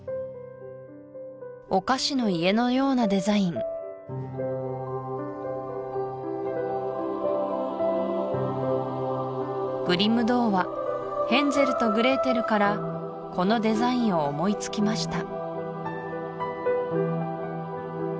お菓子の家のようなデザイングリム童話「ヘンゼルとグレーテル」からこのデザインを思いつきました